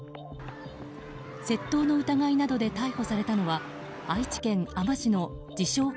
窃盗の疑いなどで逮捕されたのは愛知県あま市の自称